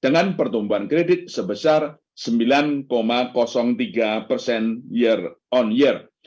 dengan pertumbuhan kredit sebesar sembilan tiga persen year on year